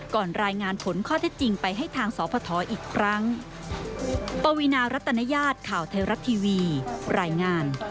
รายงานผลข้อเท็จจริงไปให้ทางสพอีกครั้ง